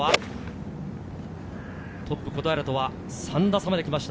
トップ・小平とは３打差まで来ました。